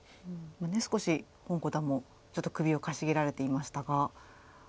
少し洪五段もちょっと首をかしげられていましたが。